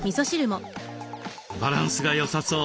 バランスがよさそう。